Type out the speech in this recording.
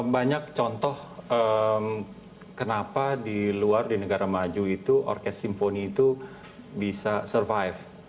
banyak contoh kenapa di luar di negara maju itu orkes simfoni itu bisa survive